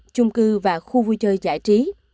chung cư và khu vui chơi giải trí